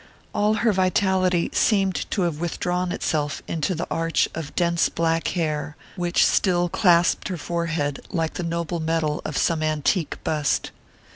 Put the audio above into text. All her vitality seemed to have withdrawn itself into the arch of dense black hair which still clasped her forehead like the noble metal of some antique bust.